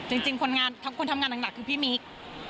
จริงคนทำงานหนักคือพี่มิ๊ก